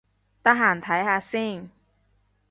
得閒睇下先